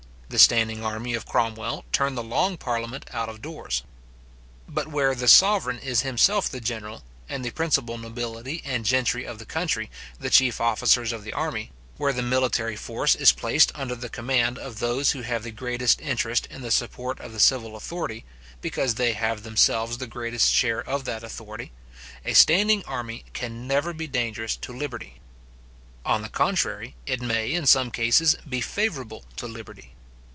The standing army of Cromwell turned the long parliament out of doors. But where the sovereign is himself the general, and the principal nobility and gentry of the country the chief officers of the army; where the military force is placed under the command of those who have the greatest interest in the support of the civil authority, because they have themselves the greatest share of that authority, a standing army can never be dangerous to liberty. On the contrary, it may, in some cases, be favourable to liberty.